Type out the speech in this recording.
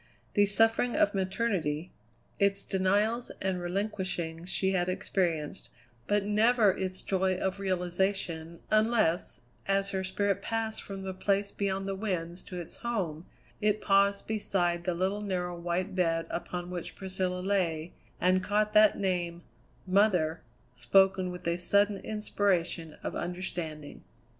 The suffering of maternity, its denials and relinquishings she had experienced, but never its joy of realization, unless, as her spirit passed from the Place Beyond the Winds to its Home, it paused beside the little, narrow, white bed upon which Priscilla lay, and caught that name "Mother!" spoken with a sudden inspiration of understanding.